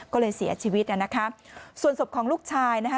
ก็เลยเสียชีวิตนะคะส่วนศพของลูกชายนะคะ